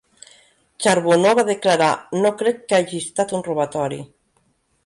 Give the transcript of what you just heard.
Charbonneau va declarar: No crec que hagi estat un robatori.